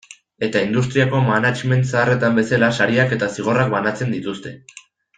Eta industriako management zaharretan bezala, sariak eta zigorrak banatzen dituzte.